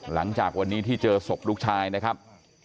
หลังจากวันนี้ที่เจอศพลูกชายนะครับ